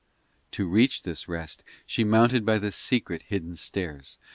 VI To reach this rest She mounted by the secret, hidden stairs.